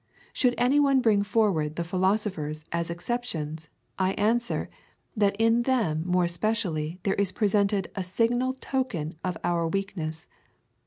Should any one bring forward the philosophers as exceptions, I answer, that in them more especially there is presented a signal token of this our weak ness.